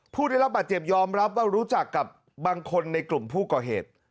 ผู้ได้รับบาดเจ็บยอมรับว่ารู้จักกับบางคนในกลุ่มผู้ก่อเหตุ